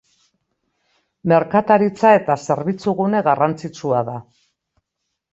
Merkataritza eta zerbitzu gune garrantzitsua da.